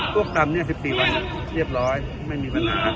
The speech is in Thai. พวกกรรมนี้๑๔วันเรียบร้อยไม่มีปัญหา